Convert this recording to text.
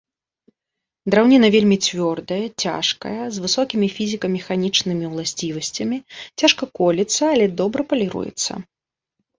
Драўніна вельмі цвёрдая, цяжкая, з высокімі фізіка-механічнымі ўласцівасцямі, цяжка колецца, але добра паліруецца.